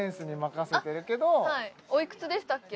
あはいおいくつでしたっけ？